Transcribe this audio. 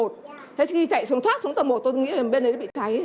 thế khi chạy xuống thoát xuống tầng một tôi nghĩ bên đấy bị cháy